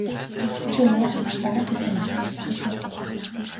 Чи угаагч биш дарга гэдгээ мартаж болохгүй шүү.